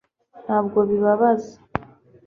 ntabwo bibabaza